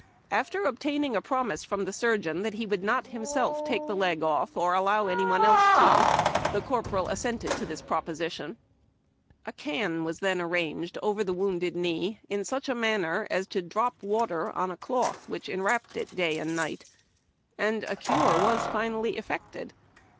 After obtaining a promise from tlie surgeon that he would not himself take the leg off or allow any one else to, the cor poral assented to the proposition. A can was then arranged over the wounded knee, in such a manner as to drop water on the cloth which enwrapped it da}^ and night, and a cure was finally effected.